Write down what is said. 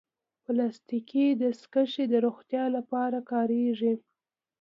پلاستيکي دستکشې د روغتیا لپاره کارېږي.